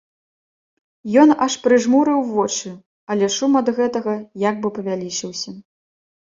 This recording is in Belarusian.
Ён аж прыжмурыў вочы, але шум ад гэтага як бы павялічыўся.